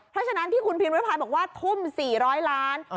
เพราะฉะนั้นที่คุณพิมพ์วิทธิพายบอกว่าทุ่มสี่ร้อยล้าน